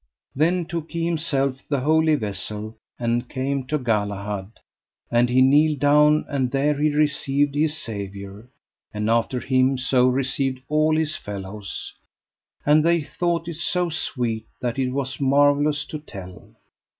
Then took he himself the Holy Vessel and came to Galahad; and he kneeled down, and there he received his Saviour, and after him so received all his fellows; and they thought it so sweet that it was marvellous to tell.